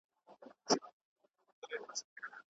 آيا ستاسو د سيمي مېرمني حمامونو ته ځي؟